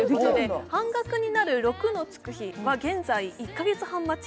半額になる「６」のつく日は、現在１か月半待ち。